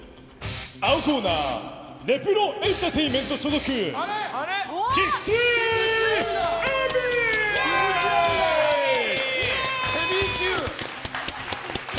青コーナーレプロエンタテインメント所属イエーイ！